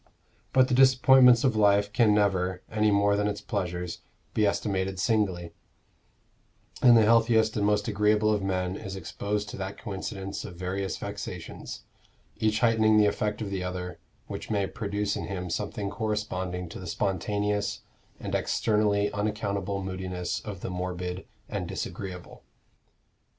But the disappointments of life can never, any more than its pleasures, be estimated singly; and the healthiest and most agreeable of men is exposed to that coincidence of various vexations, each heightening the effect of the other, which may produce in him something corresponding to the spontaneous and externally unaccountable moodiness of the morbid and disagreeable.